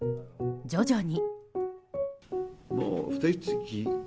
徐々に。